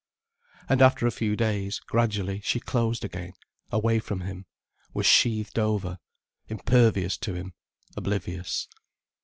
And after a few days, gradually she closed again, away from him, was sheathed over, impervious to him, oblivious.